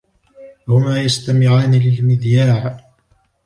هما يستمعان للمذياع.